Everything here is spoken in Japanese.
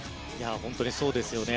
本当にそうですよね。